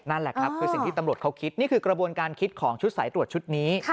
นั่นแหละครับคือสิ่งที่ตำรวจเขาคิดนี่คือกระบวนการคิดของชุดสายตรวจชุดนี้